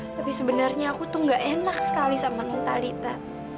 tapi sebenarnya aku tuh gak enak sekali sama lontalita